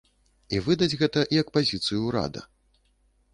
І выдаць гэта як пазіцыю ўрада.